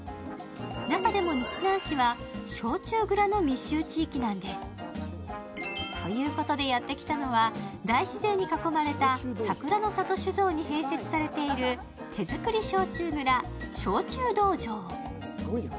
中でも日南市は焼酎蔵の密集地域なんです。ということでやってきたのは大自然に囲まれた、櫻の郷酒造に併設されている手作り焼酎蔵、焼酎道場。